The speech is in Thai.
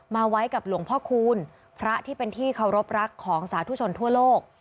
ไว้กับหลวงพ่อคูณพระที่เป็นที่เคารพรักของสาธุชนทั่วโลก